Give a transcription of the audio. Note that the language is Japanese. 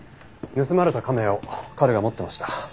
盗まれた亀を彼が持ってました。